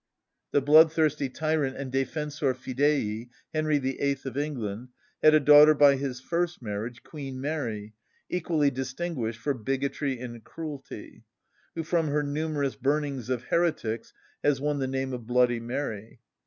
The blood‐thirsty tyrant and defensor fidei, Henry VIII. of England had a daughter by his first marriage, Queen Mary, equally distinguished for bigotry and cruelty, who from her numerous burnings of heretics has won the name of Bloody Mary.